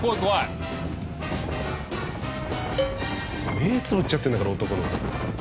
目つぶっちゃってんだから男の子。